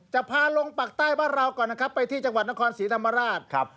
จะพาลงปากใต้บ้านเราก่อนนะครับไปที่จังหวัดนครศรีธรรมราชครับ